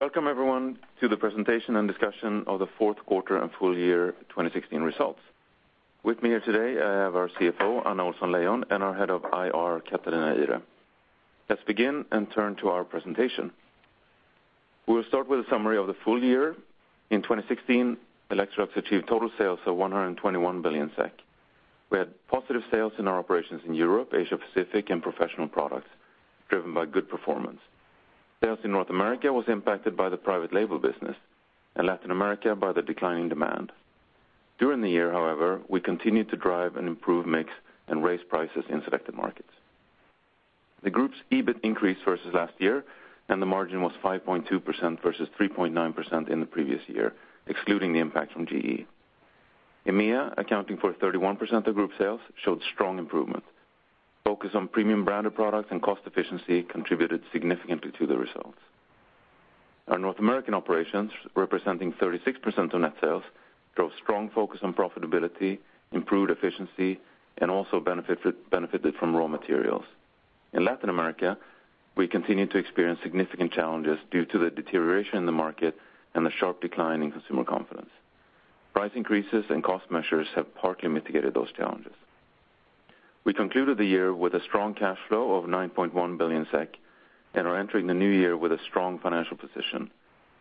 Welcome everyone to the presentation and discussion of the fourth quarter and full year 2016 results. With me here today, I have our CFO, Anna Ohlsson-Leijon, and our Head of IR, Catarina Ihre. Let's begin and turn to our presentation. We'll start with a summary of the full year. In 2016, Electrolux achieved total sales of 121 billion SEK. We had positive sales in our operations in Europe, Asia-Pacific, and professional products, driven by good performance. Sales in North America was impacted by the private label business, and Latin America by the declining demand. During the year, however, we continued to drive and improve mix and raise prices in selected markets. The group's EBIT increased versus last year, and the margin was 5.2% versus 3.9% in the previous year, excluding the impact from GE. EMEA, accounting for 31% of group sales, showed strong improvement. Focus on premium branded products and cost efficiency contributed significantly to the results. Our North American operations, representing 36% of net sales, drove strong focus on profitability, improved efficiency, and also benefited from raw materials. In Latin America, we continued to experience significant challenges due to the deterioration in the market and the sharp decline in consumer confidence. Price increases and cost measures have partly mitigated those challenges. We concluded the year with a strong cash flow of 9.1 billion SEK, and are entering the new year with a strong financial position.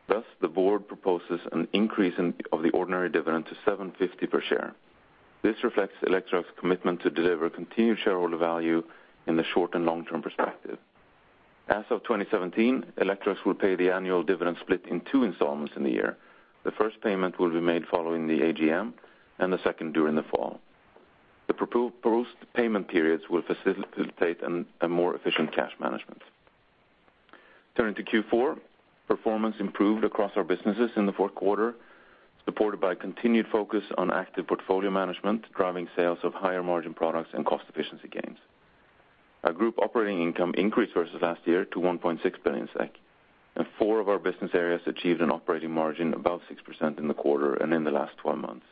Thus, the board proposes an increase of the ordinary dividend to 7.50 per share. This reflects Electrolux's commitment to deliver continued shareholder value in the short and long-term perspective. As of 2017, Electrolux will pay the annual dividend split in two installments in the year. The first payment will be made following the AGM and the second during the fall. The proposed payment periods will facilitate a more efficient cash management. Turning to Q4, performance improved across our businesses in the fourth quarter, supported by continued focus on active portfolio management, driving sales of higher-margin products and cost efficiency gains. Our group operating income increased versus last year to 1.6 billion SEK, and four of our business areas achieved an operating margin above 6% in the quarter and in the last 12 months.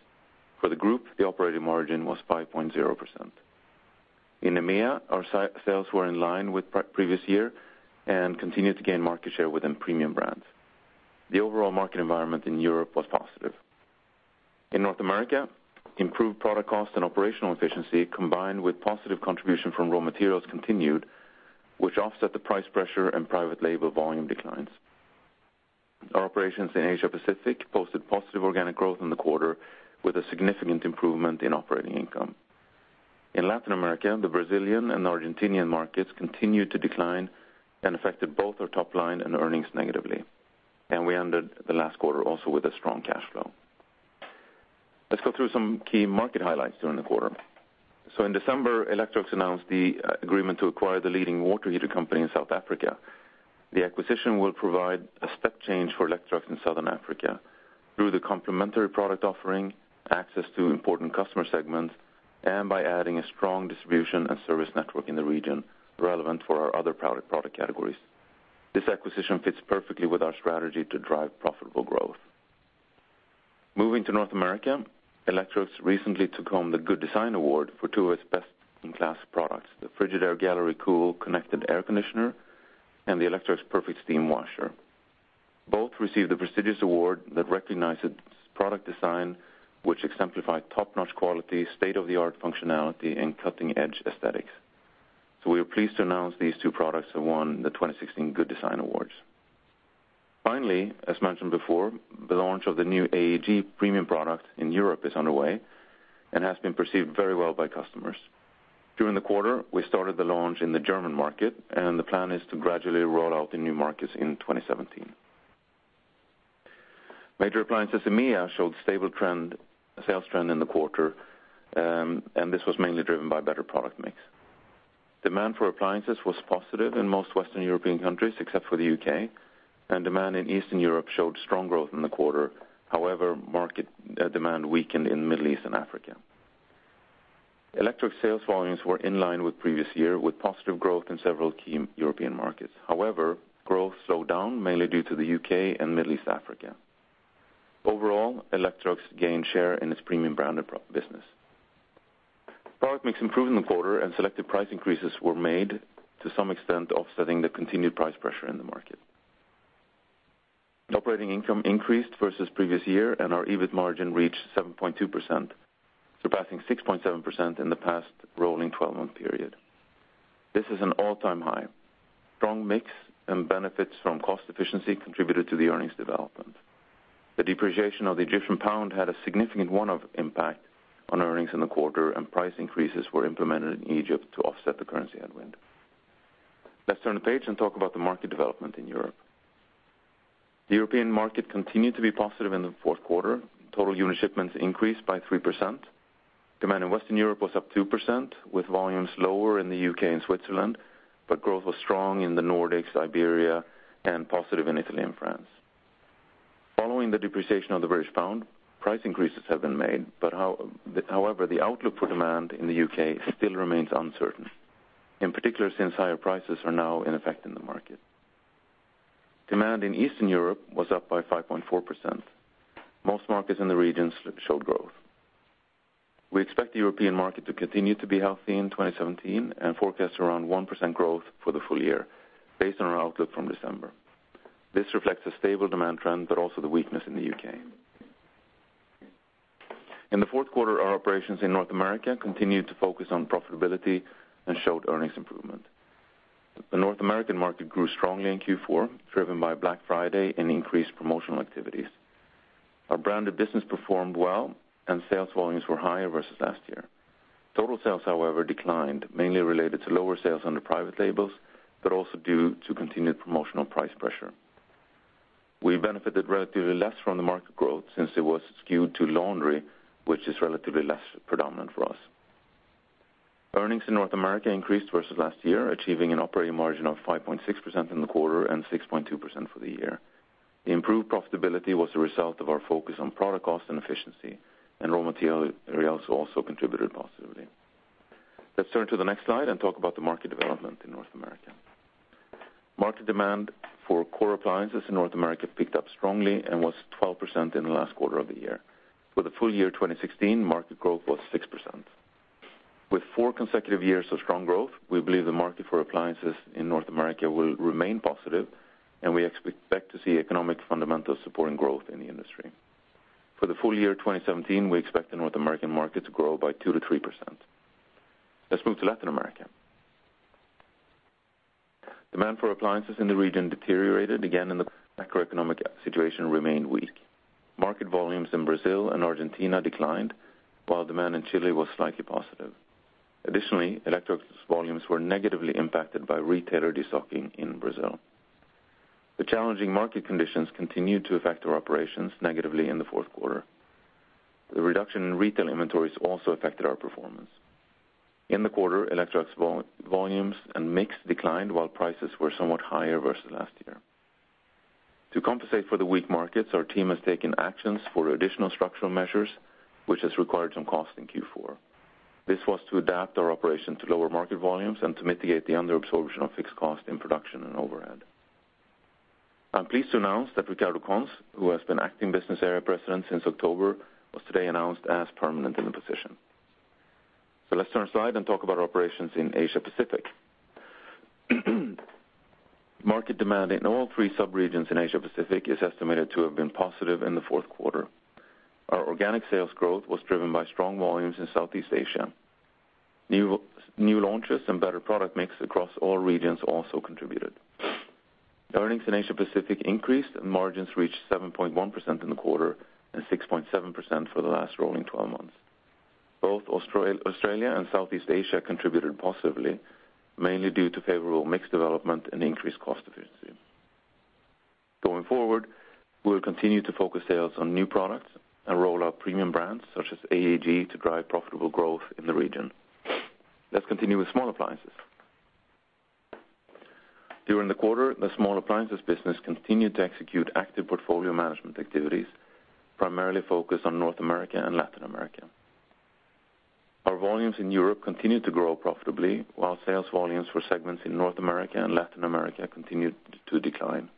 For the group, the operating margin was 5.0%. In EMEA, our sales were in line with previous year and continued to gain market share within premium brands. The overall market environment in Europe was positive. In North America, improved product cost and operational efficiency, combined with positive contribution from raw materials continued, which offset the price pressure and private label volume declines. Our operations in Asia-Pacific posted positive organic growth in the quarter, with a significant improvement in operating income. In Latin America, the Brazilian and Argentinian markets continued to decline and affected both our top line and earnings negatively, and we ended the last quarter also with a strong cash flow. Let's go through some key market highlights during the quarter. In December, Electrolux announced the agreement to acquire the leading water heater company in South Africa. The acquisition will provide a step change for Electrolux in Southern Africa through the complementary product offering, access to important customer segments, and by adding a strong distribution and service network in the region, relevant for our other product categories. This acquisition fits perfectly with our strategy to drive profitable growth. Moving to North America, Electrolux recently took home the Good Design Award for two of its best-in-class products, the Frigidaire Gallery Cool Connected Air Conditioner, and the Electrolux Perfect Steam Washer. Both received the prestigious award that recognizes product design, which exemplify top-notch quality, state-of-the-art functionality, and cutting-edge aesthetics. We are pleased to announce these two products have won the 2016 Good Design Awards. As mentioned before, the launch of the new AEG premium product in Europe is underway and has been perceived very well by customers. During the quarter, we started the launch in the German market, and the plan is to gradually roll out in new markets in 2017. Major appliances in EMEA showed stable trend, sales trend in the quarter, and this was mainly driven by better product mix. Demand for appliances was positive in most Western European countries, except for the U.K., and demand in Eastern Europe showed strong growth in the quarter. However, market demand weakened in Middle East and Africa. Electrolux sales volumes were in line with previous year, with positive growth in several key European markets. However, growth slowed down, mainly due to the U.K. and Middle East and Africa. Overall, Electrolux gained share in its premium branded pro business. Product mix improved in the quarter, and selective price increases were made to some extent, offsetting the continued price pressure in the market. Operating income increased versus previous year, and our EBIT margin reached 7.2%, surpassing 6.7% in the past rolling 12-month period. This is an all-time high. Strong mix and benefits from cost efficiency contributed to the earnings development. The depreciation of the Egyptian pound had a significant one-off impact on earnings in the quarter. Price increases were implemented in Egypt to offset the currency headwind. Let's turn the page and talk about the market development in Europe. The European market continued to be positive in the fourth quarter. Total unit shipments increased by 3%. Demand in Western Europe was up 2%, with volumes lower in the U.K. and Switzerland. Growth was strong in the Nordics, Iberia, and positive in Italy and France. Following the depreciation of the British pound, price increases have been made. However, the outlook for demand in the U.K. still remains uncertain, in particular, since higher prices are now in effect in the market. Demand in Eastern Europe was up by 5.4%. Most markets in the region showed growth. We expect the European market to continue to be healthy in 2017, and forecast around 1% growth for the full year, based on our outlook from December. This reflects a stable demand trend, but also the weakness in the U.K. In the fourth quarter, our operations in North America continued to focus on profitability and showed earnings improvement. The North American market grew strongly in Q4, driven by Black Friday and increased promotional activities. Our branded business performed well, and sales volumes were higher versus last year. Total sales, however, declined, mainly related to lower sales under private labels, but also due to continued promotional price pressure. We benefited relatively less from the market growth since it was skewed to laundry, which is relatively less predominant for us. Earnings in North America increased versus last year, achieving an operating margin of 5.6% in the quarter and 6.2% for the year. The improved profitability was a result of our focus on product cost and efficiency, and raw materials also contributed positively. Let's turn to the next slide and talk about the market development in North America. Market demand for core appliances in North America picked up strongly and was 12% in the last quarter of the year. For the full year, 2016, market growth was 6%. With four consecutive years of strong growth, we believe the market for appliances in North America will remain positive, and we expect to see economic fundamentals supporting growth in the industry. For the full year 2017, we expect the North American market to grow by 2%-3%. Let's move to Latin America. Demand for appliances in the region deteriorated again, and the macroeconomic situation remained weak. Market volumes in Brazil and Argentina declined, while demand in Chile was slightly positive. Additionally, Electrolux volumes were negatively impacted by retailer de-stocking in Brazil. The challenging market conditions continued to affect our operations negatively in the fourth quarter. The reduction in retail inventories also affected our performance. In the quarter, Electrolux volumes and mix declined, while prices were somewhat higher versus last year. To compensate for the weak markets, our team has taken actions for additional structural measures, which has required some cost in Q4. This was to adapt our operation to lower market volumes and to mitigate the under absorption of fixed cost in production and overhead. I'm pleased to announce that Ricardo Cons, who has been acting Business Area President since October, was today announced as permanent in the position. Let's turn aside and talk about our operations in Asia Pacific. Market demand in all three sub-regions in Asia Pacific is estimated to have been positive in the fourth quarter. Our organic sales growth was driven by strong volumes in Southeast Asia. New launches and better product mix across all regions also contributed. Earnings in Asia Pacific increased, and margins reached 7.1% in the quarter and 6.7% for the last rolling 12 months. Both Australia and Southeast Asia contributed positively, mainly due to favorable mix development and increased cost efficiency. Going forward, we will continue to focus sales on new products and roll out premium brands, such as AEG, to drive profitable growth in the region. Let's continue with Small appliances. During the quarter, the Small appliances business continued to execute active portfolio management activities, primarily focused on North America and Latin America. Our volumes in Europe continued to grow profitably, while sales volumes for segments in North America and Latin America continued to decline.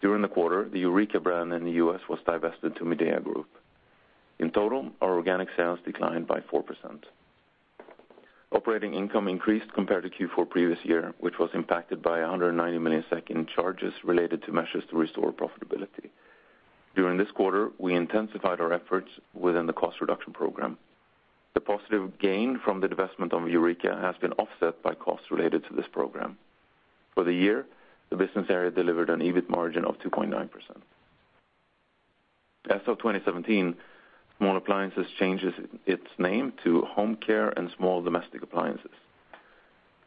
During the quarter, the Eureka brand in the U.S. was divested to Midea Group. In total, our organic sales declined by 4%. Operating income increased compared to Q4 previous year, which was impacted by 190 million in charges related to measures to restore profitability. During this quarter, we intensified our efforts within the cost reduction program. The positive gain from the divestment of Eureka has been offset by costs related to this program. For the year, the business area delivered an EBIT margin of 2.9%. As of 2017, Small appliances changes its name to Home Care and Small Domestic Appliances.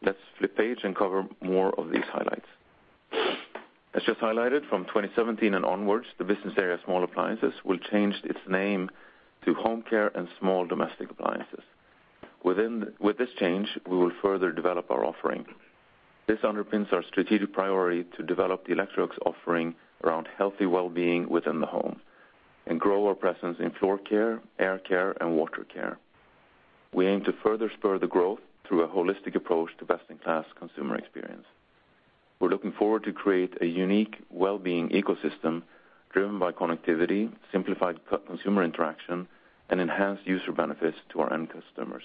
Let's flip page and cover more of these highlights. As just highlighted, from 2017 and onwards, the business area Small appliances will change its name to Home Care and Small Domestic Appliances. With this change, we will further develop our offering. This underpins our strategic priority to develop the Electrolux offering around healthy well-being within the home and grow our presence in Floor-care, Air Care, and Watercare. We aim to further spur the growth through a holistic approach to best-in-class consumer experience. We're looking forward to create a unique well-being ecosystem driven by connectivity, simplified consumer interaction, and enhanced user benefits to our end customers.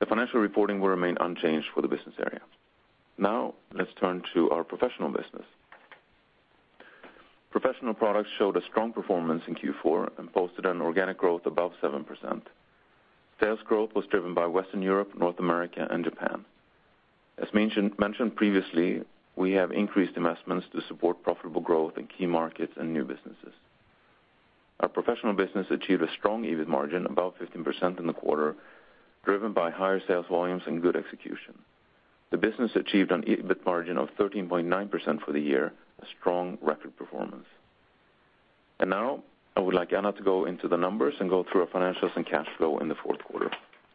The financial reporting will remain unchanged for the business area. Now, let's turn to our professional business. Professional products showed a strong performance in Q4 and posted an organic growth above 7%. Sales growth was driven by Western Europe, North America, and Japan. As mentioned previously, we have increased investments to support profitable growth in key markets and new businesses. Our professional business achieved a strong EBIT margin, above 15% in the quarter, driven by higher sales volumes and good execution. The business achieved an EBIT margin of 13.9% for the year, a strong record performance. Now, I would like Anna to go into the numbers and go through our financials and cash flow in the fourth quarter.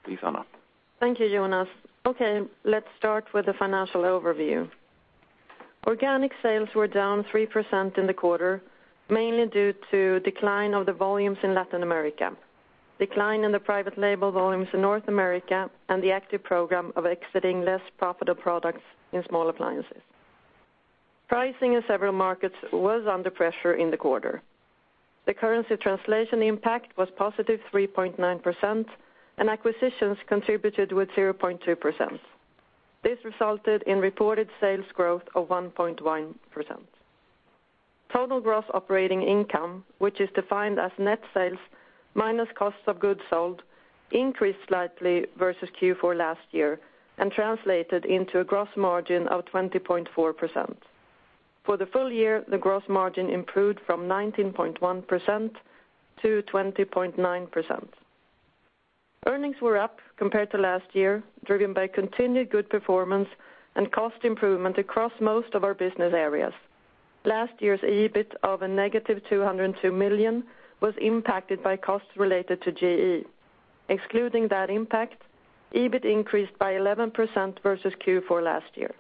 Please, Anna. Thank you, Jonas. Let's start with the financial overview. Organic sales were down 3% in the quarter, mainly due to decline of the volumes in Latin America, decline in the private label volumes in North America, and the active program of exiting less profitable products in Small appliances. Pricing in several markets was under pressure in the quarter. The currency translation impact was positive 3.9%, and acquisitions contributed with 0.2%. This resulted in reported sales growth of 1.1%. Total gross operating income, which is defined as net sales minus cost of goods sold, increased slightly versus Q4 last year, and translated into a gross margin of 20.4%. For the full year, the gross margin improved from 19.1% to 20.9%. Earnings were up compared to last year, driven by continued good performance and cost improvement across most of our business areas. Last year's EBIT of a negative 202 million was impacted by costs related to GE. Excluding that impact, EBIT increased by 11% versus Q4 last year.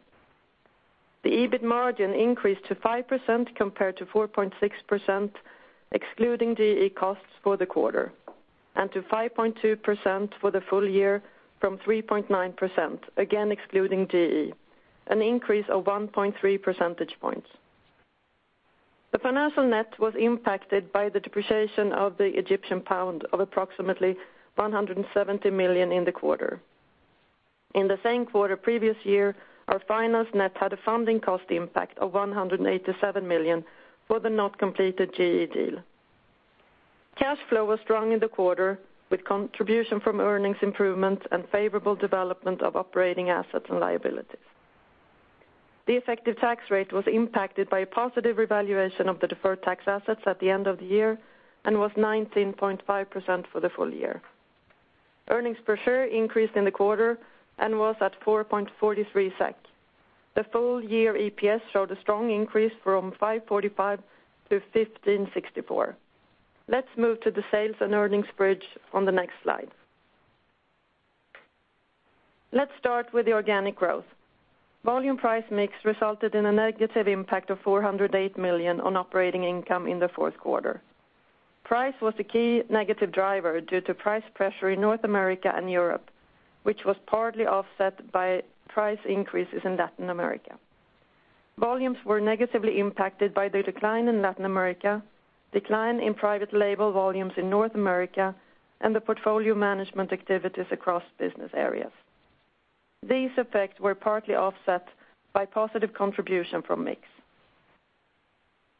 The EBIT margin increased to 5% compared to 4.6%, excluding GE costs for the quarter, and to 5.2% for the full year from 3.9%, again, excluding GE, an increase of 1.3 percentage points. The financial net was impacted by the depreciation of the Egyptian pound of approximately 170 million in the quarter. In the same quarter, previous year, our finance net had a funding cost impact of 187 million for the not completed GE deal. Cash flow was strong in the quarter, with contribution from earnings improvement and favorable development of operating assets and liabilities. The effective tax rate was impacted by a positive revaluation of the deferred tax assets at the end of the year, and was 19.5% for the full year. Earnings per share increased in the quarter and was at 4.43 SEK. The full year EPS showed a strong increase from 5.45-15.64. Let's move to the sales and earnings bridge on the next slide. Let's start with the organic growth. Volume price mix resulted in a negative impact of 408 million on operating income in the fourth quarter. Price was the key negative driver due to price pressure in North America and Europe, which was partly offset by price increases in Latin America. Volumes were negatively impacted by the decline in Latin America, decline in private label volumes in North America, and the portfolio management activities across business areas. These effects were partly offset by positive contribution from mix.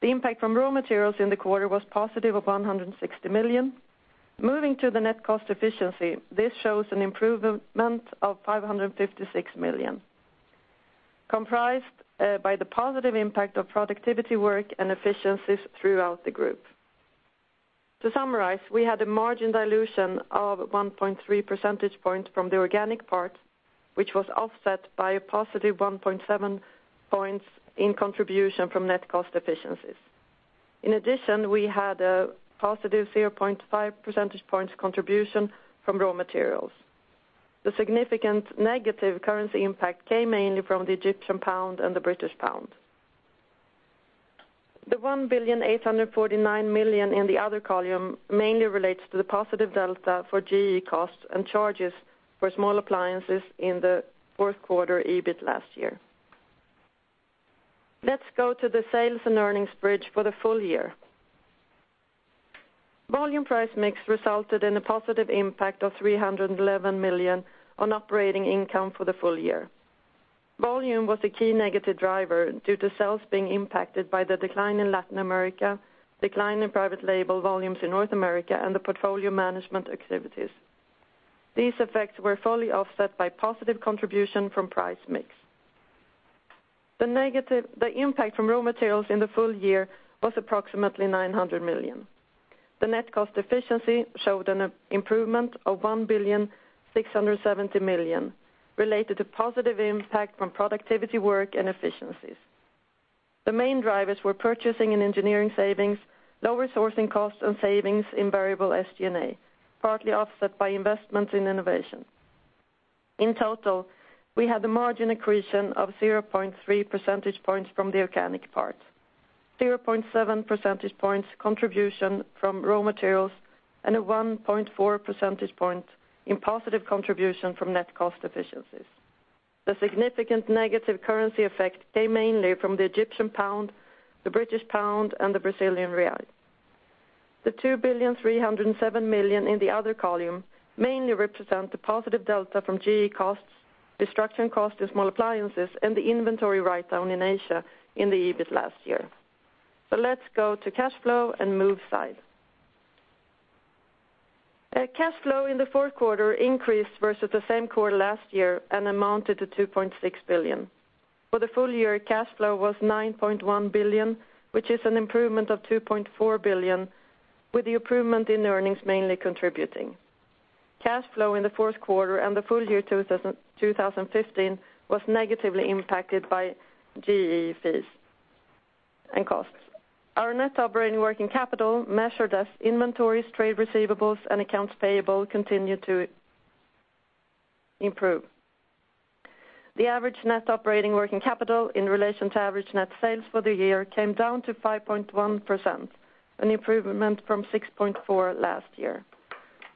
The impact from raw materials in the quarter was positive of 160 million. Moving to the net cost efficiency, this shows an improvement of 556 million, comprised by the positive impact of productivity work and efficiencies throughout the group. To summarize, we had a margin dilution of 1.3 percentage points from the organic part, which was offset by a +1.7 points in contribution from net cost efficiencies. In addition, we had a +0.5 percentage points contribution from raw materials. The significant negative currency impact came mainly from the Egyptian pound and the British pound. The 1,849,000,000 in the other column mainly relates to the positive delta for GE costs and charges for Small appliances in the fourth quarter, EBIT last year. Let's go to the sales and earnings bridge for the full year. Volume price mix resulted in a positive impact of 311 million on operating income for the full year. Volume was a key negative driver due to sales being impacted by the decline in Latin America, decline in private label volumes in North America, and the portfolio management activities. These effects were fully offset by positive contribution from price mix. The impact from raw materials in the full year was approximately 900 million. The net cost efficiency showed an improvement of 1,670,000,000 related to positive impact from productivity work and efficiencies. The main drivers were purchasing and engineering savings, lower sourcing costs and savings in variable SG&A, partly offset by investments in innovation. We had a margin accretion of 0.3 percentage points from the organic part, 0.7 percentage points contribution from raw materials, and a 1.4 percentage point in positive contribution from net cost efficiencies. The significant negative currency effect came mainly from the Egyptian pound, the British pound, and the Brazilian real. The 2,307,000,000 in the other column mainly represent the positive delta from GE costs, restructuring costs in Small appliances, and the inventory write-down in Asia in the EBIT last year. Let's go to cash flow and move side. Cash flow in the fourth quarter increased versus the same quarter last year and amounted to 2.6 billion. For the full year, cash flow was 9.1 billion, which is an improvement of 2.4 billion, with the improvement in earnings mainly contributing. Cash flow in the fourth quarter and the full year 2015, was negatively impacted by GE fees and costs. Our net operating working capital, measured as inventories, trade receivables, and accounts payable, continued to improve. The average net operating working capital in relation to average net sales for the year came down to 5.1%, an improvement from 6.4% last year.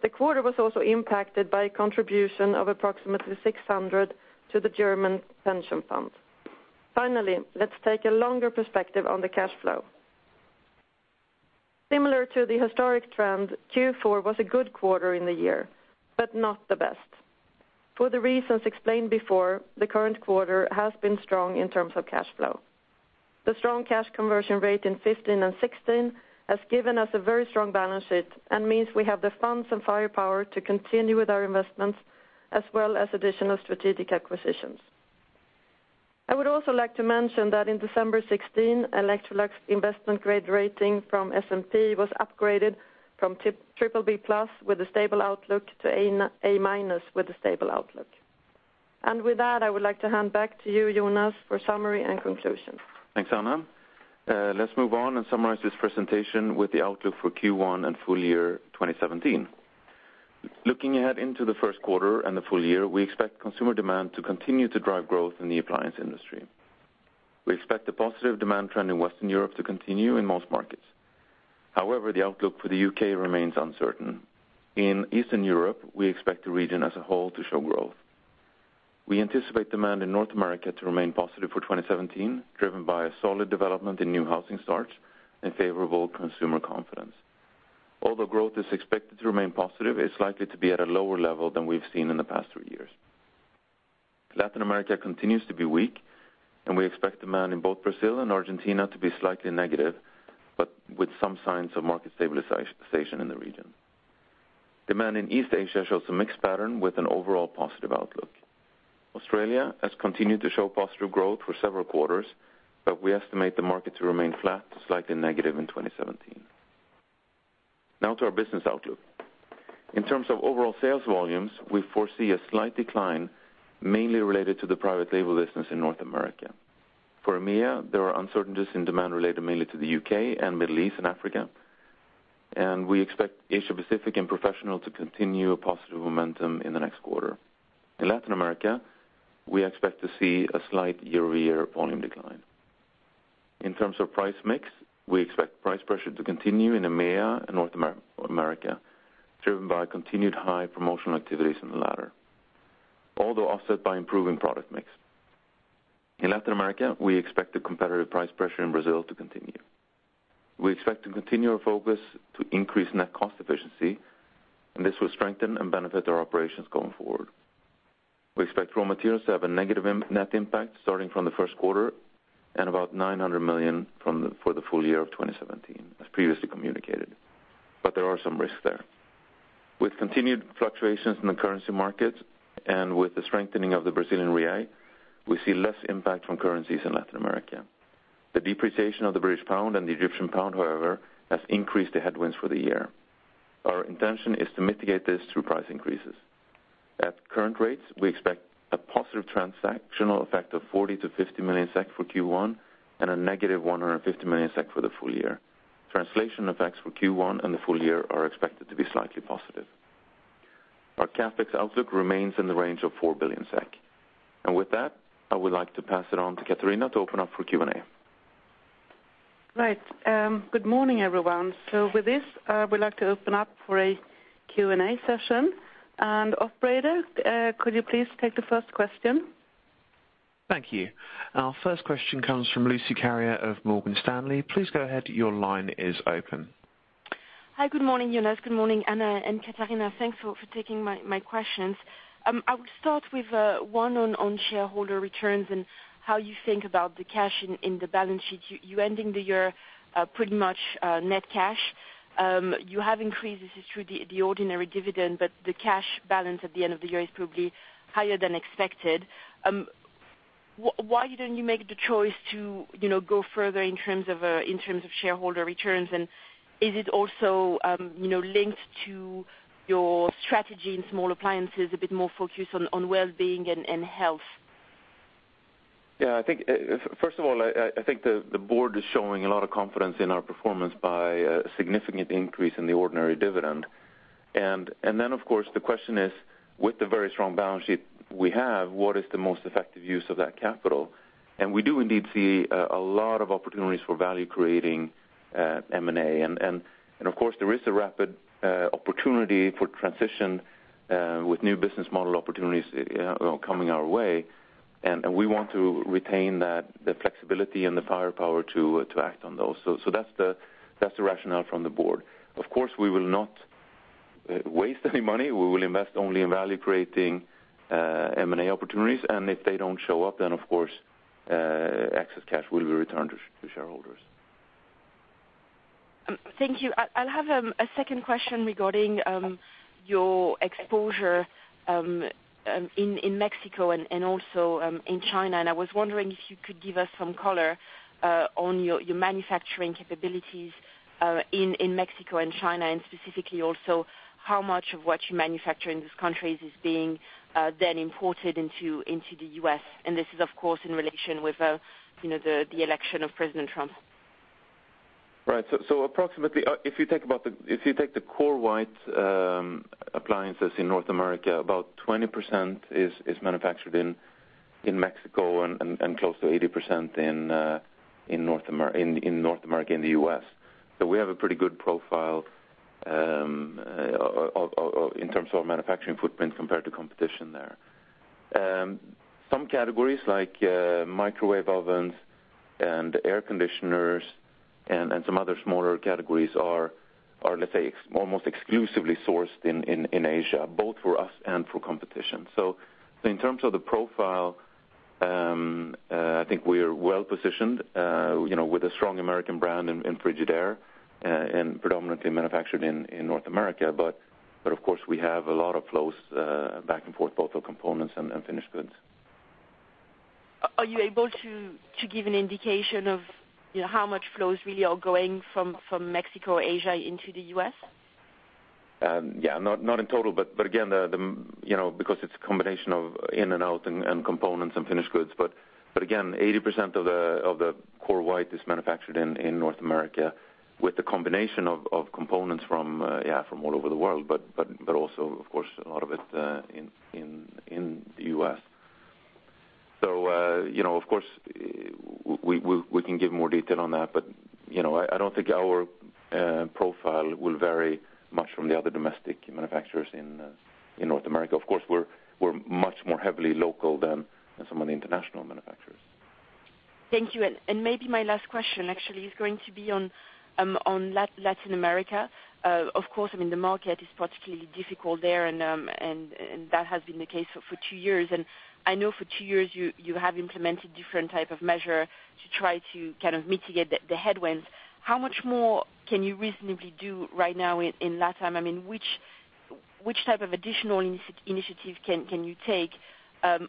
The quarter was also impacted by contribution of approximately 600 to the German Pension fund. Finally, let's take a longer perspective on the cash flow. Similar to the historic trend, Q4 was a good quarter in the year, but not the best. For the reasons explained before, the current quarter has been strong in terms of cash flow. The strong cash conversion rate in 2015 and 2016 has given us a very strong balance sheet and means we have the funds and firepower to continue with our investments as well as additional strategic acquisitions. I would also like to mention that in December 2016, Electrolux investment grade rating from S&P was upgraded from BBB+ with a stable outlook to A- with a stable outlook. With that, I would like to hand back to you, Jonas, for summary and conclusion. Thanks, Anna. Let's move on and summarize this presentation with the outlook for Q1 and full year 2017. Looking ahead into the first quarter and the full year, we expect consumer demand to continue to drive growth in the appliance industry. We expect the positive demand trend in Western Europe to continue in most markets. The outlook for the U.K. remains uncertain. In Eastern Europe, we expect the region as a whole to show growth. We anticipate demand in North America to remain positive for 2017, driven by a solid development in new housing starts and favorable consumer confidence. Although growth is expected to remain positive, it's likely to be at a lower level than we've seen in the past three years. Latin America continues to be weak. We expect demand in both Brazil and Argentina to be slightly negative, but with some signs of market stabilization in the region. Demand in East Asia shows a mixed pattern with an overall positive outlook. Australia has continued to show positive growth for several quarters, but we estimate the market to remain flat to slightly negative in 2017. Now to our business outlook. In terms of overall sales volumes, we foresee a slight decline, mainly related to the private label business in North America. For EMEA, there are uncertainties in demand related mainly to the U.K. and Middle East and Africa, and we expect Asia-Pacific and professional to continue a positive momentum in the next quarter. In Latin America, we expect to see a slight year-over-year volume decline. In terms of price mix, we expect price pressure to continue in EMEA and North America, driven by continued high promotional activities in the latter, although offset by improving product mix. In Latin America, we expect the competitive price pressure in Brazil to continue. We expect to continue our focus to increase net cost efficiency. This will strengthen and benefit our operations going forward. We expect raw materials to have a negative net impact starting from the first quarter and about 900 million for the full year of 2017, as previously communicated. There are some risks there. With continued fluctuations in the currency markets and with the strengthening of the Brazilian real, we see less impact from currencies in Latin America. The depreciation of the British pound and the Egyptian pound, however, has increased the headwinds for the year. Our intention is to mitigate this through price increases. At current rates, we expect a positive transactional effect of 40-50 million SEK for Q1 and a negative 150 million SEK for the full year. Translation effects for Q1 and the full year are expected to be slightly positive. Our CapEx outlook remains in the range of 4 billion SEK. I would like to pass it on to Catarina to open up for Q&A. Right. Good morning, everyone. With this, I would like to open up for a Q&A session. Operator, could you please take the first question? Thank you. Our first question comes from Lucie Carrier of Morgan Stanley. Please go ahead. Your line is open. Hi, good morning, Jonas. Good morning, Anna and Catarina. Thanks for taking my questions. I will start with one on shareholder returns and how you think about the cash in the balance sheet. You ending the year pretty much net cash. Why didn't you make the choice to, you know, go further in terms of in terms of shareholder returns? Is it also, you know, linked to your strategy in Small appliances, a bit more focused on well-being and health? I think, first of all, I think the board is showing a lot of confidence in our performance by a significant increase in the ordinary dividend. Then, of course, the question is, with the very strong balance sheet we have, what is the most effective use of that capital? We do indeed see a lot of opportunities for value creating M&A. And of course, there is a rapid opportunity for transition with new business model opportunities, you know, coming our way, and we want to retain the flexibility and the firepower to act on those. That's the rationale from the board. Of course, we will not waste any money. We will invest only in value-creating, M&A opportunities, and if they don't show up, then, of course, excess cash will be returned to shareholders. Thank you. I'll have a second question regarding your exposure in Mexico and also in China. I was wondering if you could give us some color on your manufacturing capabilities in Mexico and China, and specifically also how much of what you manufacture in these countries is being then imported into the U.S. This is, of course, in relation with, you know, the election of President Trump. Right. Approximately, if you take the core white appliances in North America, about 20% is manufactured in Mexico and close to 80% in North America, in the U.S. We have a pretty good profile of in terms of manufacturing footprint compared to competition there. Some categories like Microwave Ovens and Air-conditioners and some other smaller categories are, let's say, almost exclusively sourced in Asia, both for us and for competition. In terms of the profile, I think we are well positioned, you know, with a strong American brand in Frigidaire, and predominantly manufactured in North America. Of course, we have a lot of flows, back and forth, both of components and finished goods. Are you able to give an indication of, you know, how much flows really are going from Mexico, Asia into the U.S.? Yeah, not in total, but again, the, you know, because it's a combination of in and out and components and finished goods. But again, 80% of the core white is manufactured in North America, with the combination of components from all over the world, but also, of course, a lot of it in the U.S. You know, of course, we can give more detail on that, but, you know, I don't think our profile will vary much from the other domestic manufacturers in North America. Of course, we're much more heavily local than some of the international manufacturers. Thank you. And maybe my last question actually is going to be on Latin America. Of course, I mean, the market is particularly difficult there, and that has been the case for two years. I know for two years, you have implemented different type of measure to try to kind of mitigate the headwinds. How much more can you reasonably do right now in LatAm? I mean, which type of additional initiative can you take,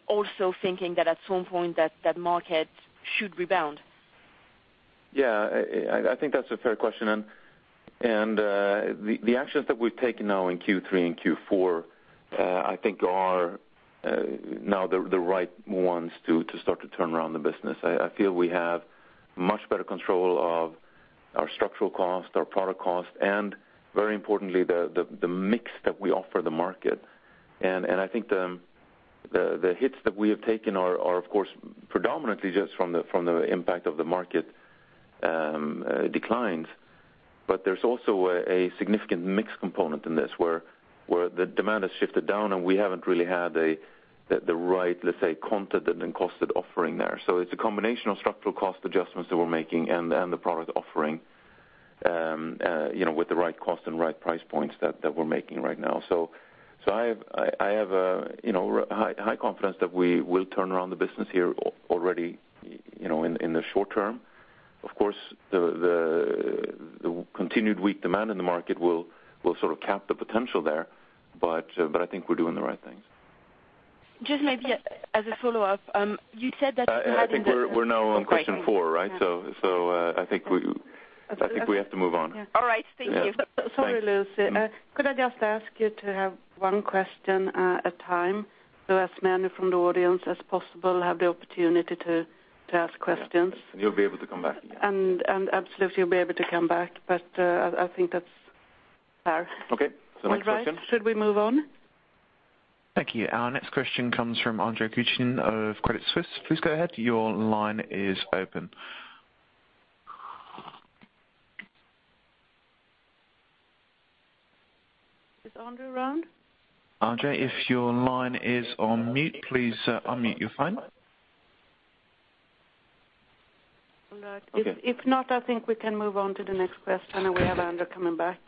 also thinking that at some point, that market should rebound? Yeah, I think that's a fair question. The actions that we've taken now in Q3 and Q4, I think are now the right ones to start to turn around the business. I feel we have much better control of our structural cost, our product cost, and very importantly, the mix that we offer the market. I think the hits that we have taken are, of course, predominantly just from the impact of the market declines. But there's also a significant mix component in this, where the demand has shifted down, and we haven't really had the right, let's say, content and then costed offering there. It's a combination of structural cost adjustments that we're making and the product offering, you know, with the right cost and right price points that we're making right now. I have a, you know, high confidence that we will turn around the business here already, you know, in the short term. Of course, the continued weak demand in the market will sort of cap the potential there, I think we're doing the right thing. Just maybe as a follow-up, you said that you. I think we're now on question four, right? I think Okay. I think we have to move on. All right. Thank you. Yeah. Thanks. Sorry, Lucy. Could I just ask you to have one question at a time, so as many from the audience as possible have the opportunity to ask questions? You'll be able to come back. Absolutely, you'll be able to come back, but, I think that's fair. Okay. Next question. All right. Should we move on? Thank you. Our next question comes from Andre Kukhnin of Credit Suisse. Please go ahead. Your line is open. Is Andre around? Andre Kukhnin, if your line is on mute, please, unmute your phone. All right. Okay. If not, I think we can move on to the next question, and we have Andre coming back.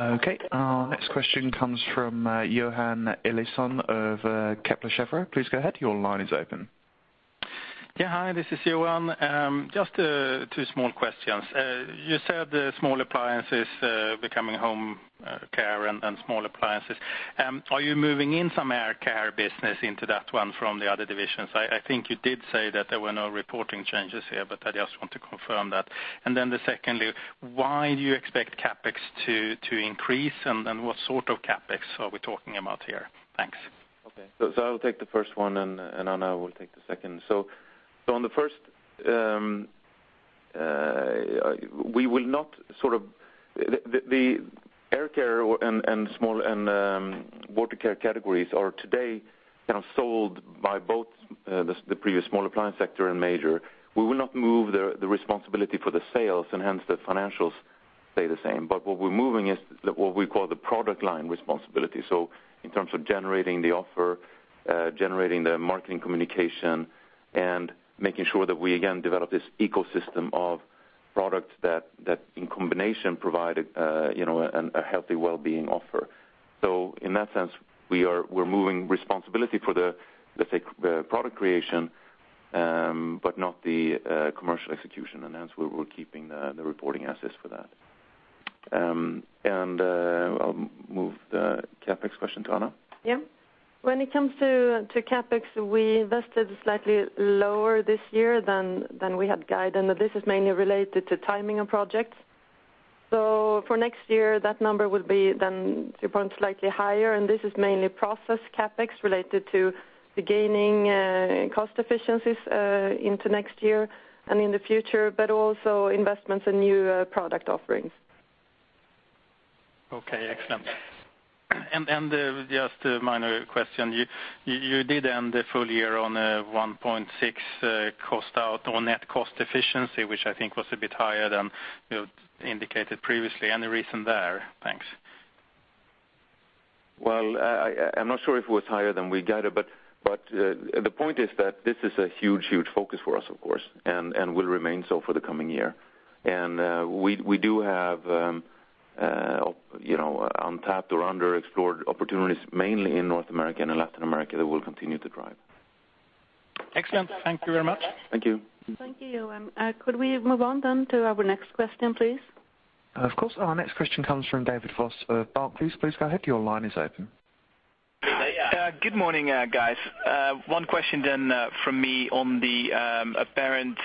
Okay. Our next question comes from, Johan Eliason of, Kepler Cheuvreux. Please go ahead. Your line is open. Yeah. Hi, this is Johan. Just two small questions. You said the Small appliances becoming Home Care and Small appliances. Are you moving in some Air Care business into that one from the other divisions? I think you did say that there were no reporting changes here, but I just want to confirm that. The secondly, why do you expect CapEx to increase, and what sort of CapEx are we talking about here? Thanks. Okay. I will take the first one, and Anna will take the second. On the first, we will not. The Air Care and Small and Watercare categories are today kind of sold by both the previous Small appliance sector and major. We will not move the responsibility for the sales, and hence, the financials stay the same. What we're moving is the, what we call the product line responsibility. In terms of generating the offer, generating the marketing communication, and making sure that we again develop this ecosystem of products that in combination provide a, you know, a healthy well-being offer. In that sense, we're moving responsibility for the, let's say, the product creation, but not the commercial execution. Hence, we're keeping the reporting assets for that. I'll move the CapEx question to Anna. Yeah. When it comes to CapEx, we invested slightly lower this year than we had guided. This is mainly related to timing of projects. For next year, that number will be then, you know, slightly higher, and this is mainly process CapEx related to the gaining cost efficiencies into next year and in the future, but also investments in new product offerings. Okay, excellent. Just a minor question. You did end the full year on a 1.6 cost out on net cost efficiency, which I think was a bit higher than you indicated previously. Any reason there? Thanks. Well, I'm not sure if it was higher than we guided, but the point is that this is a huge, huge focus for us, of course, and will remain so for the coming year. We do have, you know, untapped or underexplored opportunities, mainly in North America and in Latin America, that will continue to drive. Excellent. Thank you very much. Thank you. Thank you. Could we move on then to our next question, please? Of course. Our next question comes from David MacGregor of Longbow Research. Please go ahead. Your line is open. Good morning, guys. One question then, from me on the apparent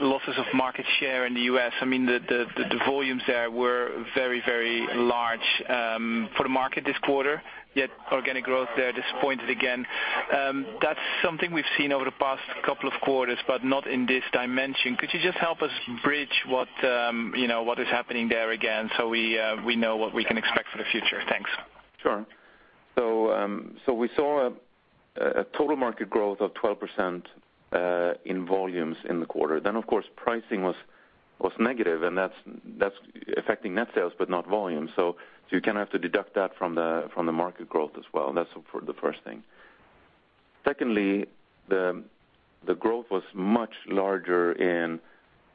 losses of market share in the U.S. I mean, the volumes there were very, very large for the market this quarter, yet organic growth there disappointed again. That's something we've seen over the past couple of quarters, but not in this dimension. Could you just help us bridge what, you know, what is happening there again, so we know what we can expect for the future? Thanks. Sure. We saw a total market growth of 12% in volumes in the quarter. Of course, pricing was negative, and that's affecting net sales, but not volume. You kind of have to deduct that from the market growth as well. That's for the 1st thing. Secondly, the growth was much larger in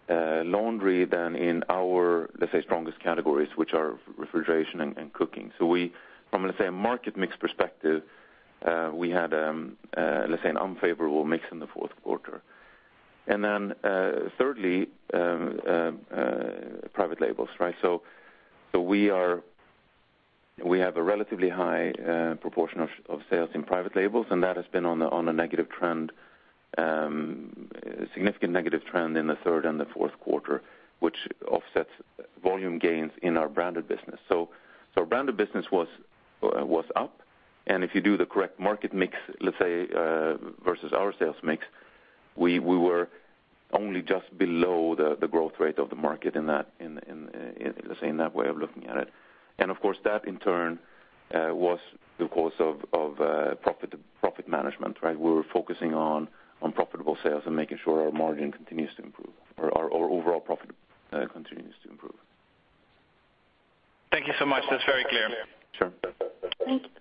laundry than in our, let's say, strongest categories, which are refrigeration and cooking. From, let's say, a market mix perspective, we had, let's say, an unfavorable mix in the 4th quarter. Thirdly, private labels, right? We have a relatively high proportion of sales in private labels, and that has been on a negative trend, significant negative trend in the third and the fourth quarter, which offsets volume gains in our branded business. Our branded business was up, and if you do the correct market mix, let's say, versus our sales mix, we were only just below the growth rate of the market in that, let's say, in that way of looking at it. Of course, that in turn was the course of profit management, right? We were focusing on profitable sales and making sure our margin continues to improve, or our overall profit continues to improve. Thank you so much. That's very clear. Sure.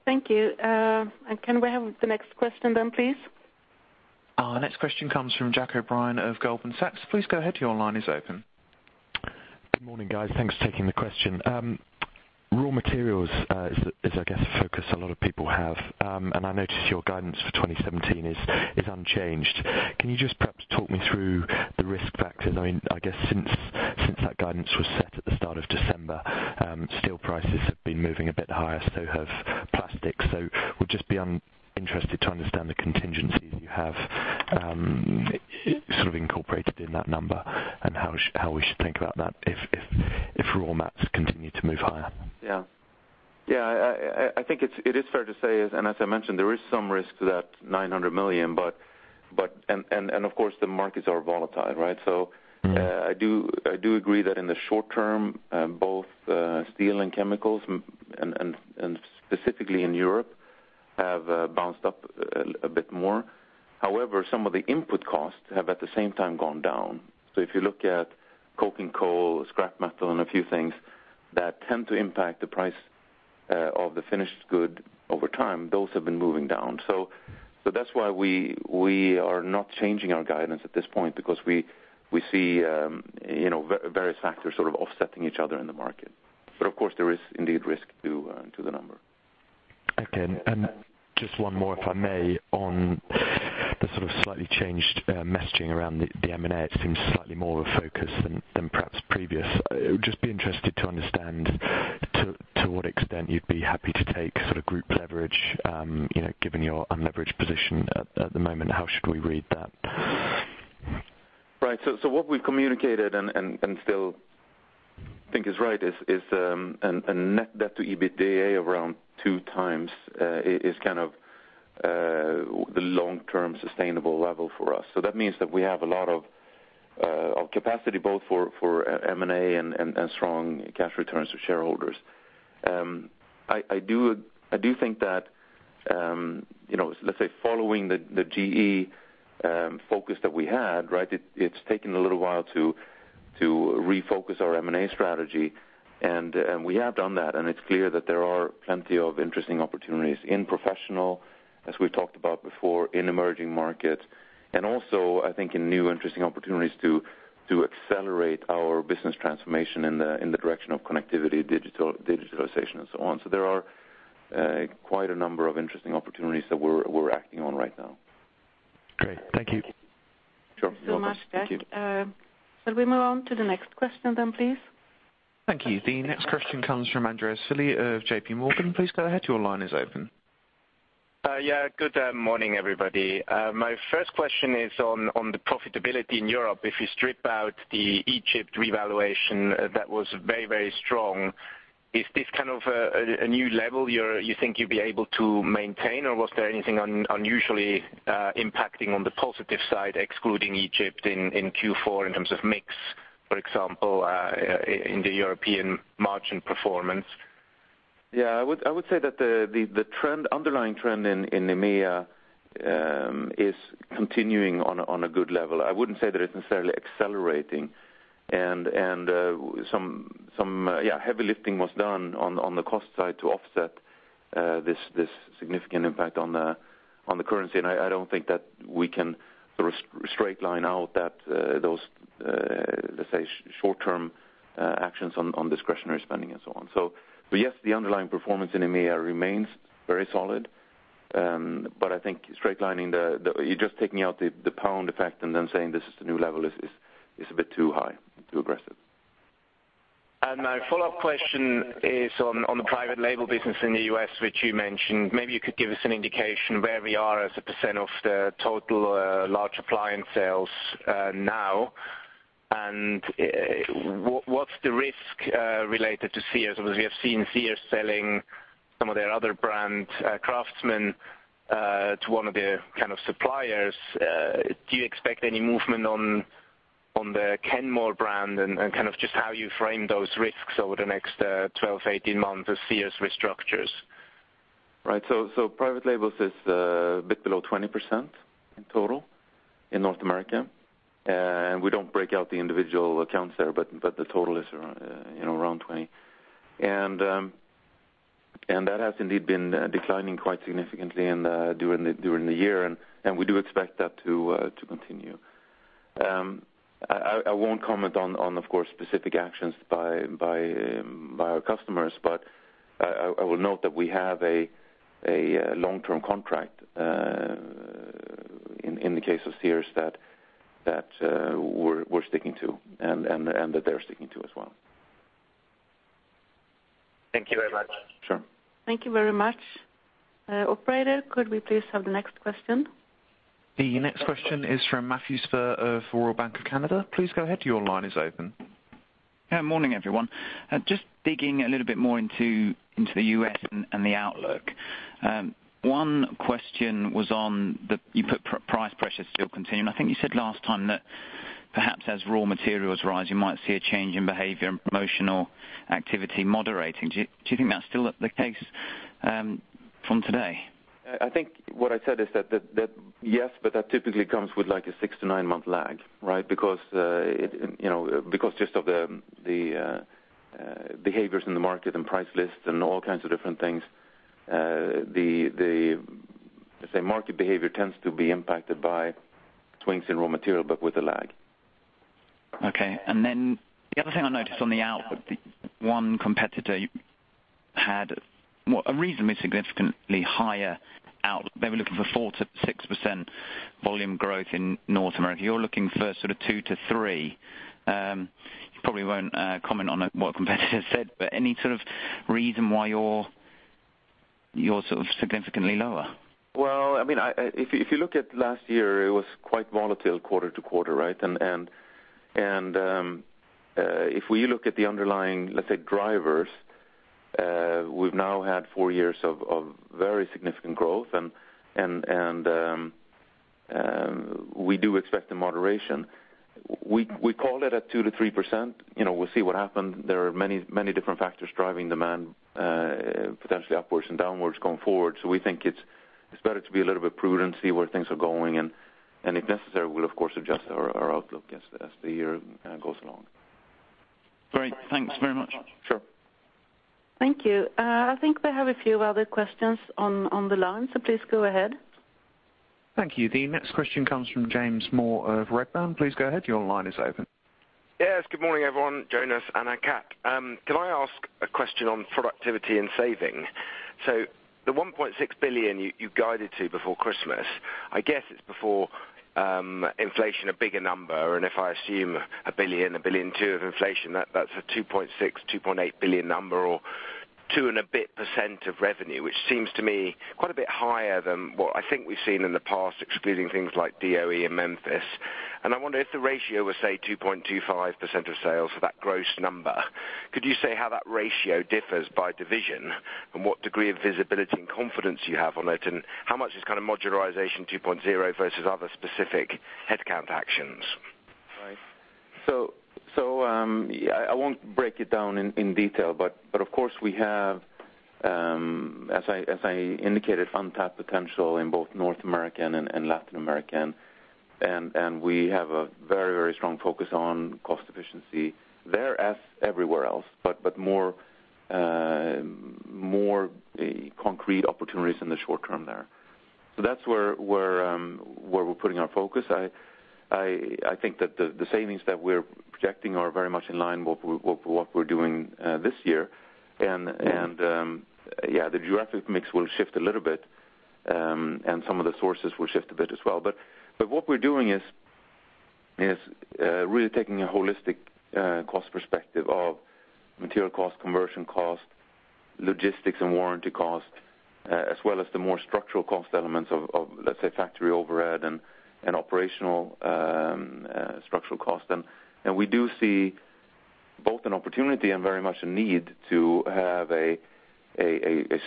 Thank you. Can we have the next question then, please? Our next question comes from Jack O'Brien of Goldman Sachs. Please go ahead. Your line is open. Good morning, guys. Thanks for taking the question. raw materials, is, I guess, a focus a lot of people have. I noticed your guidance for 2017 is unchanged. Can you just perhaps talk me through the risk factors? I mean, I guess since that guidance was set at the start of December, steel prices have been moving a bit higher, so have plastic. Would just be interested to understand the contingencies you have, sort of incorporated in that number and how we should think about that if raw mats continue to move higher. Yeah. Yeah, I think it is fair to say, and as I mentioned, there is some risk to that 900 million, but of course, the markets are volatile, right? Mm-hmm. I do agree that in the short term, both steel and chemicals, and specifically in Europe, have bounced up a bit more. Some of the input costs have, at the same time, gone down. If you look at coking coal, scrap metal, and a few things that tend to impact the price of the finished good over time, those have been moving down. That's why we are not changing our guidance at this point, because we see, you know, various factors sort of offsetting each other in the market. Of course, there is indeed risk to the number. Okay. Just one more, if I may, on the sort of slightly changed messaging around the M&A. It seems slightly more of a focus than perhaps previous. I would just be interested to understand to what extent you'd be happy to take sort of group leverage, you know, given your unleveraged position at the moment. How should we read that? What we've communicated and still think is right is a net debt to EBITDA around 2x is kind of the long-term sustainable level for us. That means that we have a lot of capacity, both for M&A and strong cash returns to shareholders. I do think that, you know, let's say, following the GE focus that we had, right, it's taken a little while to refocus our M&A strategy, and we have done that, and it's clear that there are plenty of interesting opportunities in professional, as we've talked about before, in emerging markets, and also, I think, in new interesting opportunities to accelerate our business transformation in the direction of connectivity, digitalization, and so on. There are, quite a number of interesting opportunities that we're acting on right now. Great. Thank you. Sure. Thanks so much, Jack. Shall we move on to the next question then, please? Thank you. The next question comes from Andreas Willi of J.P. Morgan. Please go ahead. Your line is open. Yeah, good morning, everybody. My first question is on the profitability in Europe. If you strip out the Egypt revaluation, that was very, very strong, is this kind of a new level you think you'll be able to maintain, or was there anything unusually impacting on the positive side, excluding Egypt in Q4, in terms of mix, for example, in the European margin performance? Yeah, I would say that the trend, underlying trend in EMEA, is continuing on a good level. I wouldn't say that it's necessarily accelerating, and some, yeah, heavy lifting was done on the cost side to offset this significant impact on the currency. I don't think that we can sort of straight line out that those, let's say, short-term actions on discretionary spending and so on. Yes, the underlying performance in EMEA remains very solid. But I think straight lining the you're just taking out the pound effect and then saying this is the new level is a bit too high, too aggressive. My follow-up question is on the private label business in the U.S., which you mentioned. Maybe you could give us an indication where we are as a percent of the total large appliance sales now, what's the risk related to Sears? We have seen Sears selling some of their other brand, Craftsman, to one of their kind of suppliers. Do you expect any movement on the Kenmore brand? Kind of just how you frame those risks over the next 12, 18 months as Sears restructures. Right. private label is a bit below 20% in total in North America, and we don't break out the individual accounts there, the total is around, you know, around 20%. That has indeed been declining quite significantly during the year, and we do expect that to continue. I won't comment on, of course, specific actions by our customers, I will note that we have a long-term contract in the case of Sears, that we're sticking to, and that they're sticking to as well. Thank you very much. Sure. Thank you very much. Operator, could we please have the next question? The next question is from Matthew McEachran of Royal Bank of Canada. Please go ahead. Your line is open. Morning, everyone. Just digging a little bit more into the U.S. and the outlook. One question was on you put price pressure still continuing. I think you said last time that perhaps as raw materials rise, you might see a change in behavior and promotional activity moderating. Do you think that's still the case, from today? I think what I said is that yes, That typically comes with, like, a six-to-nine-month lag, right? Because, it, you know, because just of the behaviors in the market and price lists and all kinds of different things, the say market behavior tends to be impacted by swings in raw material, but with a lag. Okay. The other thing I noticed on the output, one competitor had, well, a reasonably significantly higher. They were looking for 4%-6% volume growth in North America. You're looking for sort of 2%-3%. You probably won't comment on what a competitor said, but any sort of reason why you're sort of significantly lower? Well, I mean, I, if you look at last year, it was quite volatile quarter to quarter, right? If we look at the underlying, let's say, drivers, we've now had four years of very significant growth, and, we do expect a moderation. We called it at 2%-3%. You know, we'll see what happens. There are many, many different factors driving demand, potentially upwards and downwards going forward. We think it's better to be a little bit prudent, see where things are going, and if necessary, we'll of course adjust our outlook as the year goes along. Great. Thanks very much. Sure. Thank you. I think we have a few other questions on the line, please go ahead. Thank you. The next question comes from James Moore of Redburn. Please go ahead. Your line is open. Yes. Good morning, everyone, Jonas and Cat. Can I ask a question on productivity and saving? The 1.6 billion you guided to before Christmas, I guess it's before inflation, a bigger number, and if I assume 1 billion-1.2 billion of inflation, that's a 2.6 billion-2.8 billion number, or two and a bit percent of revenue, which seems to me quite a bit higher than what I think we've seen in the past, excluding things like DOE and Memphis. I wonder if the ratio was, say, 2.25% of sales for that gross number, could you say how that ratio differs by division and what degree of visibility and confidence you have on it, and how much is kind of modularization 2.0 versus other specific headcount actions? Right. I won't break it down in detail, but of course, we have, as I indicated, untapped potential in both North American and Latin American. We have a very strong focus on cost efficiency there, as everywhere else, but more, more concrete opportunities in the short term there. That's where we're putting our focus. I think that the savings that we're projecting are very much in line with what we're doing this year. The geographic mix will shift a little bit, and some of the sources will shift a bit as well. What we're doing is really taking a holistic cost perspective of material cost, conversion cost, logistics and warranty cost, as well as the more structural cost elements of, let's say, factory overhead and operational structural cost. We do see both an opportunity and very much a need to have a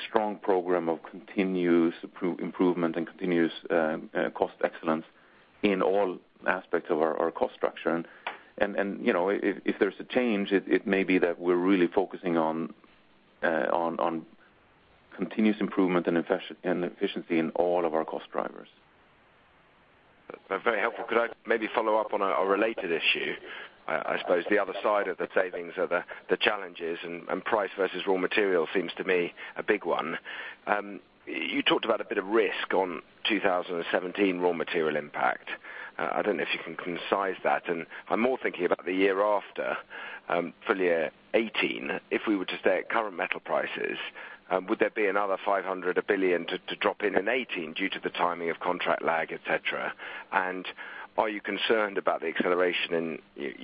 strong program of continuous improvement and continuous cost excellence. In all aspects of our cost structure. You know, if there's a change, it may be that we're really focusing on continuous improvement and efficiency in all of our cost drivers. That's very helpful. Could I maybe follow up on a related issue? I suppose the other side of the savings are the challenges and price versus raw material seems to me a big one. You talked about a bit of risk on 2017 raw material impact. I don't know if you can concise that, and I'm more thinking about the year after, full year 2018. If we were to stay at current metal prices, would there be another 500 million or 1 billion to drop in 2018 due to the timing of contract lag, et cetera? Are you concerned about the acceleration in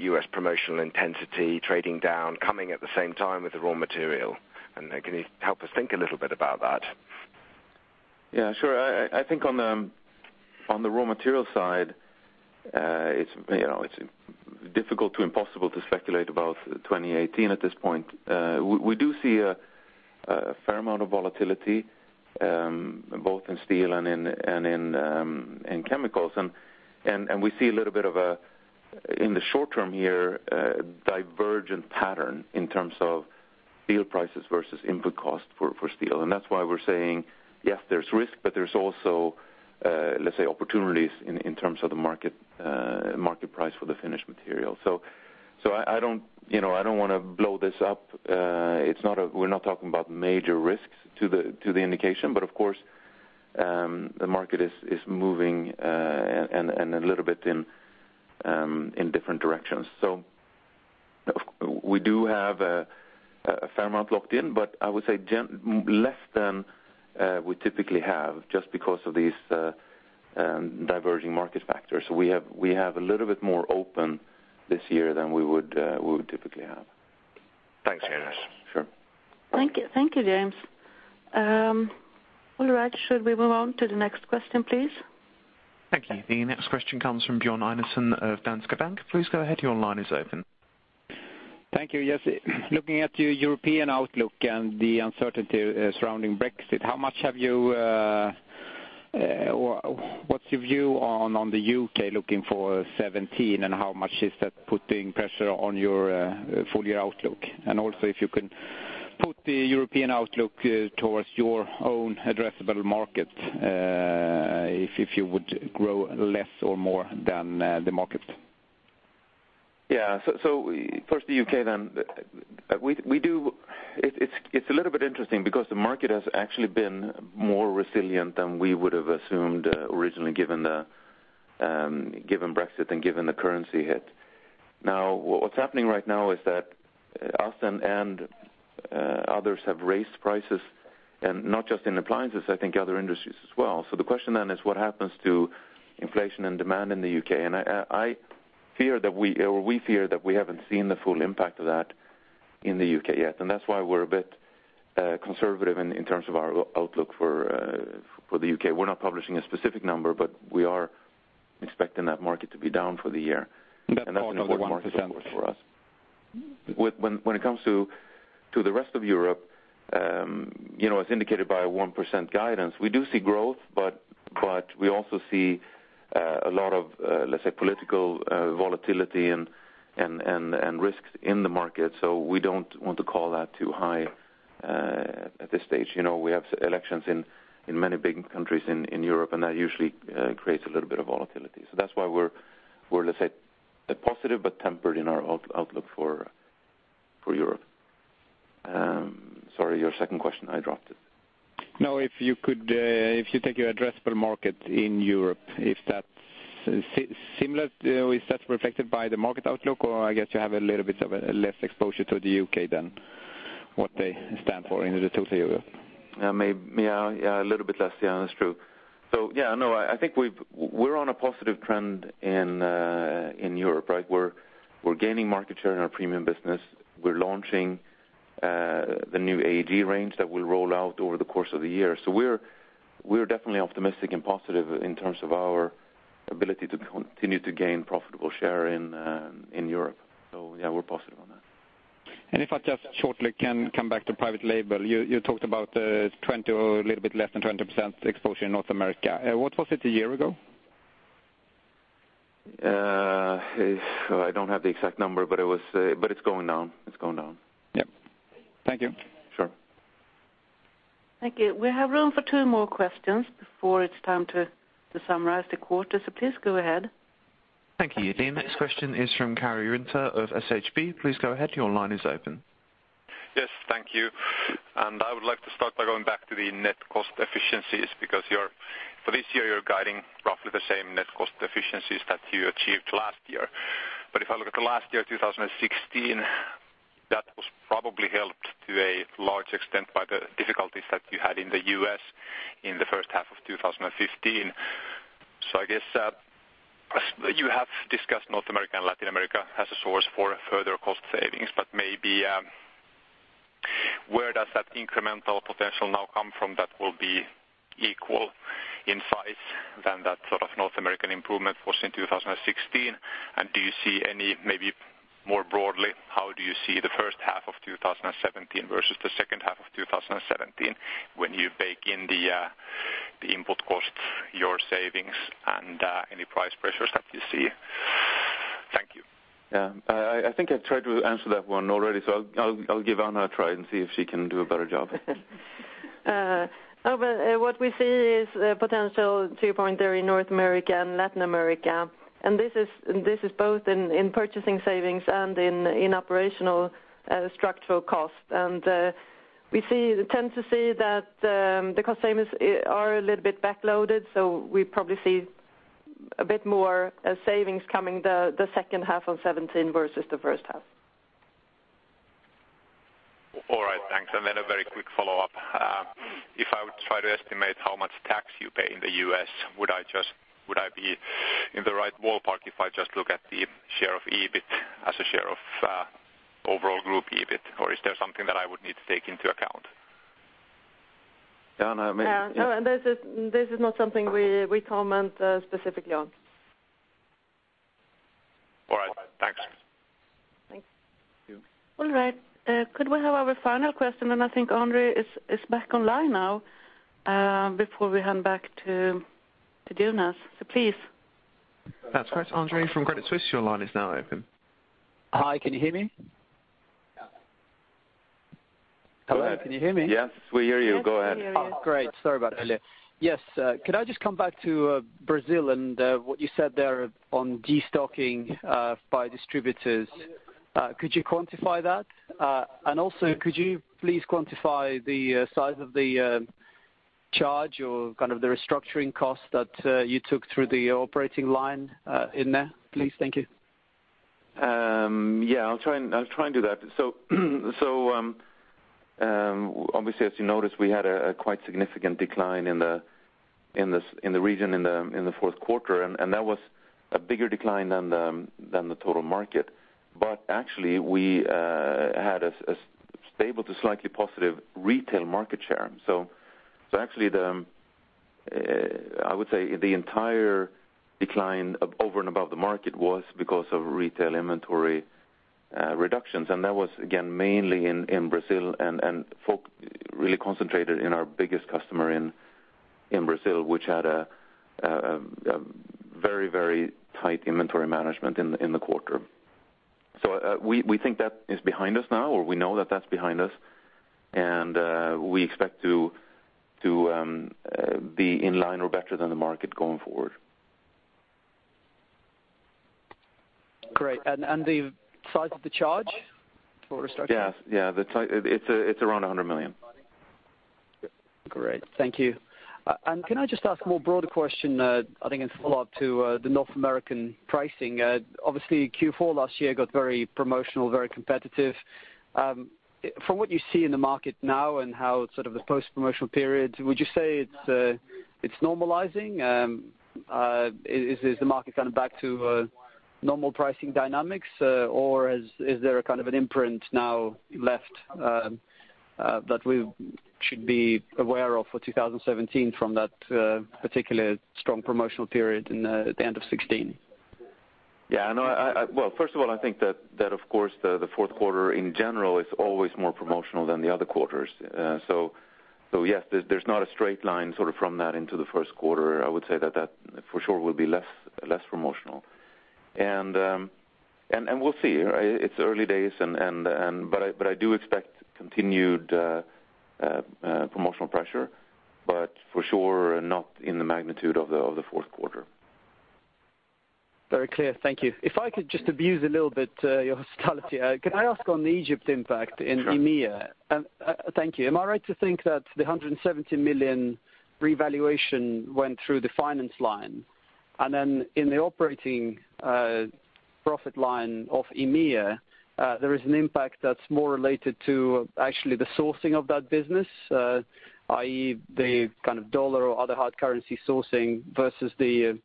U.S. promotional intensity trading down, coming at the same time with the raw material? Can you help us think a little bit about that? Yeah, sure. I think on the raw material side, it's, you know, difficult to impossible to speculate about 2018 at this point. We do see a fair amount of volatility, both in steel and in chemicals. We see a little bit of a, in the short term here, divergent pattern in terms of steel prices versus input cost for steel. That's why we're saying, yes, there's risk, but there's also, let's say, opportunities in terms of the market price for the finished material. I don't, you know, I don't want to blow this up. We're not talking about major risks to the, to the indication, of course, the market is moving and a little bit in different directions. We do have a fair amount locked in, but I would say less than we typically have just because of these diverging market factors. We have a little bit more open this year than we would typically have. Thanks, Jonas. Sure. Thank you. Thank you, James. All right, should we move on to the next question, please? Thank you. The next question comes from Björn Enarson of Danske Bank. Please go ahead, your line is open. Thank you. Yes, looking at your European outlook and the uncertainty, surrounding Brexit, how much have you, or what's your view on the U.K. looking for 2017, and how much is that putting pressure on your, full year outlook? Also, if you can put the European outlook, towards your own addressable market, if you would grow less or more than, the market. Yeah. First the U.K. then. We do it's a little bit interesting because the market has actually been more resilient than we would have assumed originally, given Brexit and given the currency hit. What's happening right now is that us and others have raised prices, and not just in appliances, I think other industries as well. The question then is what happens to inflation and demand in the U.K.? I fear that we, or we fear that we haven't seen the full impact of that in the U.K. yet, and that's why we're a bit conservative in terms of our outlook for the U.K. We're not publishing a specific number, we are expecting that market to be down for the year, that's an important market, of course, for us. Part of the 1%. When it comes to the rest of Europe, you know, as indicated by a 1% guidance, we do see growth, but we also see a lot of, let's say, political volatility and risks in the market. We don't want to call that too high at this stage. You know, we have elections in many big countries in Europe, and that usually creates a little bit of volatility. That's why we're, let's say, a positive but tempered in our outlook for Europe. Sorry, your second question, I dropped it. No, if you could, if you take your addressable market in Europe, if that's similar, if that's reflected by the market outlook, or I guess you have a little bit of a less exposure to the U.K. than what they stand for in the total Europe. Yeah, a little bit less. Yeah, that's true. Yeah, no, I think we're on a positive trend in Europe, right? We're gaining market share in our premium business. We're launching the new AEG range that will roll out over the course of the year. We're definitely optimistic and positive in terms of our ability to continue to gain profitable share in Europe. Yeah, we're positive on that. If I just shortly can come back to private label, you talked about, 20% or a little bit less than 20% exposure in North America. What was it a year ago? I don't have the exact number, but it was, but it's going down. It's going down. Yep. Thank you. Sure. Thank you. We have room for two more questions before it's time to summarize the quarter. Please go ahead. Thank you. The next question is from Karri Rinta of SHB. Please go ahead, your line is open. Yes, thank you. I would like to start by going back to the net cost efficiencies, because you're, for this year, you're guiding roughly the same net cost efficiencies that you achieved last year. If I look at the last year, 2016, that was probably helped to a large extent by the difficulties that you had in the U.S. in the first half of 2015. I guess, you have discussed North America and Latin America as a source for further cost savings, but maybe, where does that incremental potential now come from that will be equal in size than that sort of North American improvement was in 2016? Do you see any, maybe more broadly, how do you see the first half of 2017 versus the second half of 2017 when you bake in the input costs, your savings, and any price pressures that you see? Thank you. Yeah, I think I tried to answer that one already, so I'll give Anna a try and see if she can do a better job. What we see is a potential two pointer in North America and Latin America, and this is both in purchasing savings and in operational structural costs. We tend to see that the cost savings are a little bit backloaded, so we probably see a bit more savings coming the second half of 2017 versus the first half. All right. Thanks. Then a very quick follow-up. If I would try to estimate how much tax you pay in the U.S., would I be in the right ballpark if I just look at the share of EBIT as a share of overall group EBIT? Is there something that I would need to take into account? Yeah, no... Yeah, no. This is not something we comment specifically on. All right. Thanks. Thanks. Thank you. All right, could we have our final question, and I think Andre is back online now, before we hand back to Jonas. So please. That's right, Andre, from Credit Suisse, your line is now open. Hi, can you hear me? Hello, can you hear me? Yes, we hear you. Go ahead. Yes, we hear you. Oh, great. Sorry about earlier. Yes, could I just come back to Brazil and what you said there on destocking by distributors? Could you quantify that? Also, could you please quantify the size of the charge or kind of the restructuring costs that you took through the operating line in there, please? Thank you. Yeah, I'll try and do that. Obviously, as you noticed, we had a quite significant decline in the region, in the fourth quarter, and that was a bigger decline than the total market. Actually, we had a stable to slightly positive retail market share. Actually, I would say the entire decline over and above the market was because of retail inventory reductions. That was, again, mainly in Brazil and really concentrated in our biggest customer in Brazil, which had a very tight inventory management in the quarter. We think that is behind us now, or we know that that's behind us, and we expect to be in line or better than the market going forward. Great. And the size of the charge for restructuring? Yes. Yeah, It's around 100 million. Great. Thank you. Can I just ask a more broader question, I think in follow-up to the North American pricing? Obviously, Q4 last year got very promotional, very competitive. From what you see in the market now and how sort of the post-promotional period, would you say it's normalizing? Is the market kind of back to normal pricing dynamics, or is there a kind of an imprint now left that we should be aware of for 2017 from that particular strong promotional period at the end of 2016? Yeah, no, Well, first of all, I think that of course, the fourth quarter in general is always more promotional than the other quarters. Yes, there's not a straight line sort of from that into the first quarter. I would say that, for sure, will be less promotional. We'll see, right? It's early days, and I do expect continued promotional pressure, but for sure, not in the magnitude of the fourth quarter. Very clear. Thank you. If I could just abuse a little bit, your hospitality. Can I ask on the Egypt impact in EMEA? Sure. Thank you. Am I right to think that the 170 million revaluation went through the finance line? Then in the operating profit line of EMEA, there is an impact that's more related to actually the sourcing of that business, i.e., the kind of dollar or other hard currency sourcing versus the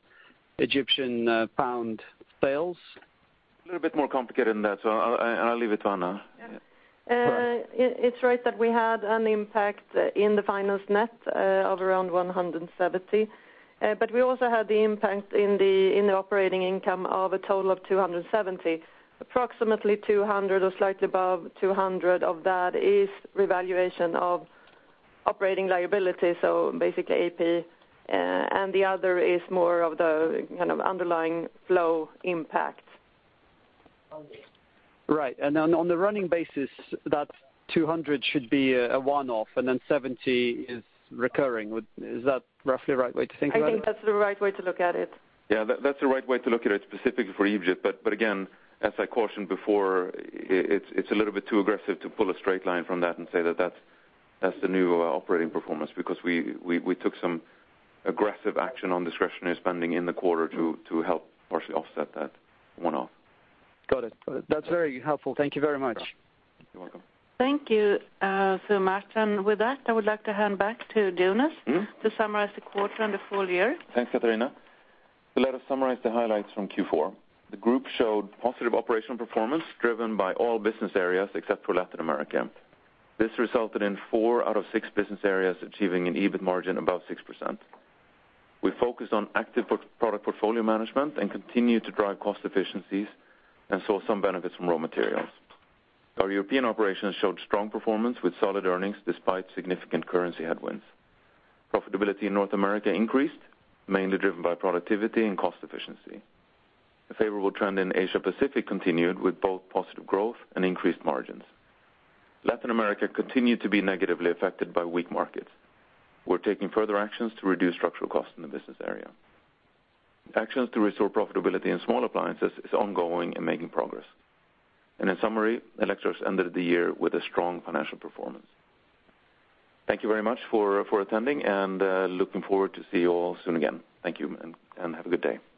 Egyptian pound sales? A little bit more complicated than that, so I, and I'll leave it to Anna. Yeah. It's right that we had an impact in the finance net, of around 170 million. We also had the impact in the operating income of a total of 270 million. Approximately 200 million or slightly above 200 million of that is revaluation of operating liability, so basically AP, and the other is more of the kind of underlying flow impact. Right. On the running basis, that 200 should be a one-off, and then 70 is recurring. Is that roughly the right way to think about it? I think that's the right way to look at it. Yeah, that's the right way to look at it, specifically for Egypt. Again, as I cautioned before, it's a little bit too aggressive to pull a straight line from that and say that that's the new operating performance, because we took some aggressive action on discretionary spending in the quarter to help partially offset that one-off. Got it. Got it. That's very helpful. Thank you very much. You're welcome. Thank you, Martin. With that, I would like to hand back to Jonas. Mm-hmm. To summarize the quarter and the full year. Thanks, Catarina. Let us summarize the highlights from Q4. The group showed positive operational performance, driven by all business areas except for Latin America. This resulted in four out of six business areas achieving an EBIT margin above 6%. We focused on active product portfolio management and continued to drive cost efficiencies and saw some benefits from raw materials. Our European operations showed strong performance with solid earnings, despite significant currency headwinds. Profitability in North America increased, mainly driven by productivity and cost efficiency. The favorable trend in Asia Pacific continued, with both positive growth and increased margins. Latin America continued to be negatively affected by weak markets. We're taking further actions to reduce structural costs in the business area. Actions to restore profitability in Small appliances is ongoing and making progress. In summary, Electrolux ended the year with a strong financial performance. Thank you very much for attending, and looking forward to see you all soon again. Thank you, and have a good day.